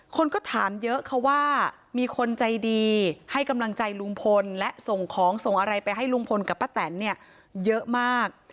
คนก็ถามเยอะค่ะว่ามีคนใจดีให้กำลังใจลุงพลและส่งของส่งอะไรไปให้ลุงพลกับป้าแตนเนี่ยเยอะมาก